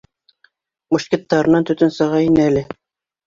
Мушкеттарынан төтөн сыға ине әле.